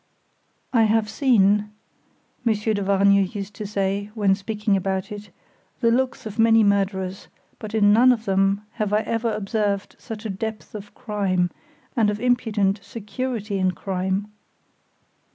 "I have seen," Monsieur de Vargnes used to say, when speaking about it, "the looks of many murderers, but in none of them have I ever observed such a depth of crime, and of impudent security in crime."